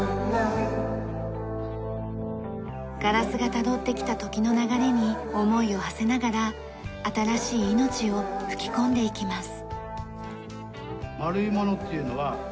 ガラスがたどってきた時の流れに思いをはせながら新しい命を吹き込んでいきます。